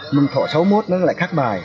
mình thọ sáu mươi một nó lại khác bài